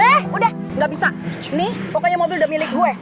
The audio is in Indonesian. eh udah gak bisa nih pokoknya mobil udah milik gue